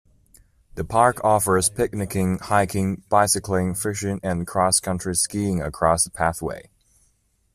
The park offers picnicking, hiking, bicycling, fishing, and cross-country skiing along the pathway.